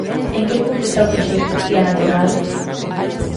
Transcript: En que punto está o proxecto, Diana Torrado?